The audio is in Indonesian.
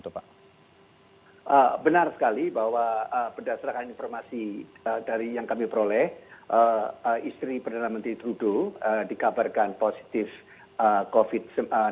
benar sekali bahwa berdasarkan informasi dari yang kami peroleh istri perdana menteri trudeau dikabarkan positif covid sembilan belas